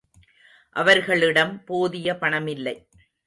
அவர்களிடம் போதிய பணமில்லை.